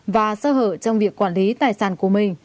và sơ hở trong việc quản lý tài sản của mình